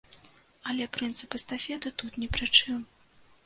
Але прынцып эстафеты тут ні пры чым.